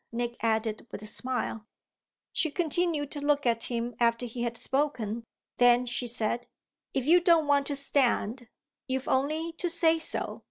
Nick added with a smile. She continued to look at him after he had spoken, then she said: "If you don't want to stand you've only to say so.